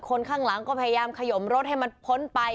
คนข้างหลังก็พยายามขยมรถให้มันพ้นไป